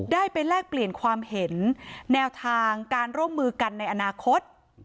ได้ไปแลกเปลี่ยนความเห็นแนวทางการร่วมมือกันในอนาคต